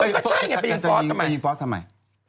ก็ใช่ไงไปยิงฟอสทำไม